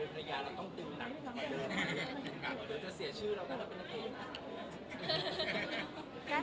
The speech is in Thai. เดี๋ยวจะเสียชื่อเรากันนะ